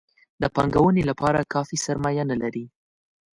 د پانګونې لپاره کافي سرمایه نه لري.